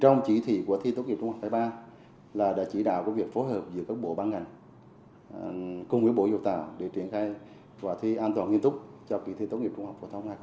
trong chỉ thị của thi tốt nghiệp trung học hai nghìn hai mươi ba là đã chỉ đạo công việc phối hợp giữa các bộ ban ngành cùng với bộ dục tạo để triển khai quả thi an toàn nghiên túc cho kỳ thi tốt nghiệp trung học hai nghìn hai mươi ba